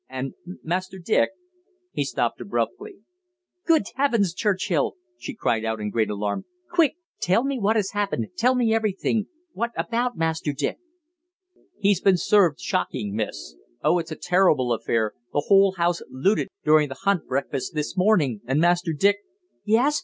And Master Dick " He stopped abruptly. "Good heavens, Churchill!" she cried out in great alarm, "quick, tell me what has happened, tell me everything. What about Master Dick?" "He's been served shocking, Miss. Oh, it's a terrible affair. The whole house looted during the hunt breakfast this, morning, and Master Dick " "Yes!